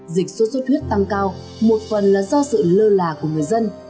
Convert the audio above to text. dịch sốt xuất huyết tăng cao một phần là do sự lơ là của người dân